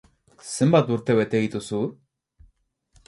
Zenbat urte bete dituzu?